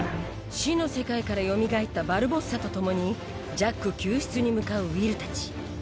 死の世界からよみがえったバルボッサと共にジャック救出に向かうウィルたち